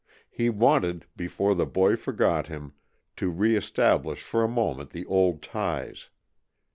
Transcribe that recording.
He wanted, before the boy forgot him, to reestablish for a moment the old ties.